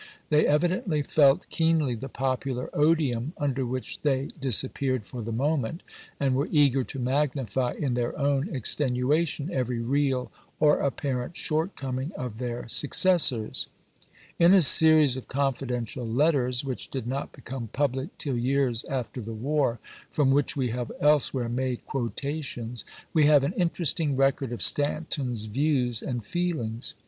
They evidently felt keenly the popular odium under which they disappeared for the moment, and were eager to magnify in their own extenuation every real or apparent shortcoming of their successors. In a series of confidential letters which did not become public till years after the war, from which we have elsewhere made quotations, we have an interesting record of Stanton's views and feelings.